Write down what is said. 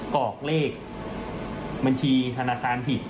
กรอกเลขบัญชีธนาคารผิด